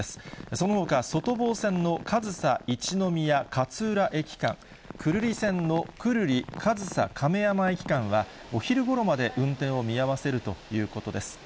そのほか、外房線の上総一ノ宮・勝浦駅間、久留里線の久留里・上総亀山駅間は、お昼ごろまで運転を見合わせるということです。